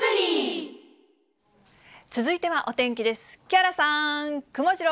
続いてはお天気です。